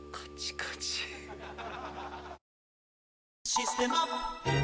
「システマ」